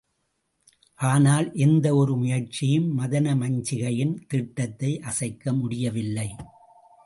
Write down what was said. ஆனால் எந்த ஒரு முயற்சியும் மதனமஞ்சிகையின் திடத்தை அசைக்க முடியவில்லை.